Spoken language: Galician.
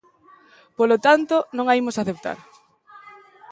Polo tanto, non a imos aceptar.